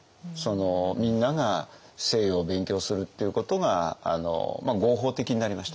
みんなが西洋を勉強するっていうことが合法的になりましたから。